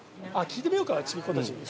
聞いてみようかちびっ子たちに。